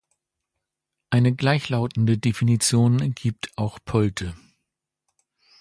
Eine gleichlautende Definition gibt auch Polte.